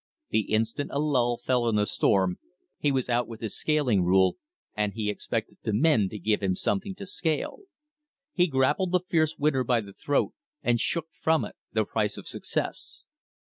The instant a lull fell on the storm, he was out with his scaling rule, and he expected the men to give him something to scale. He grappled the fierce winter by the throat, and shook from it the price of success.